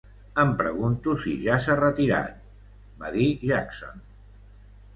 "Em pregunto si ja s'ha retirat", va dir Jackson.